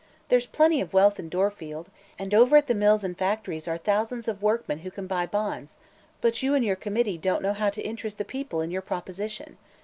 There's plenty of wealth in Dorfield, and over at the mills and factories are thousands of workmen who can buy bonds; but you and your Committee don't know how to interest the people in your proposition.